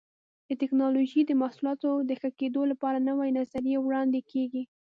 د ټېکنالوجۍ د محصولاتو د ښه کېدلو لپاره نوې نظریې وړاندې کېږي.